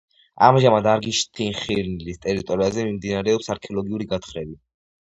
ამჟამად არგიშთიხინილის ტერიტორიაზე მიმდინარეობს არქეოლოგიური გათხრები.